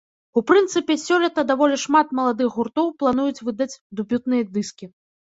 У прынцыпе, сёлета даволі шмат маладых гуртоў плануюць выдаць дэбютныя дыскі.